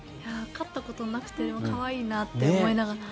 飼ったことなくて可愛いなって思いながら。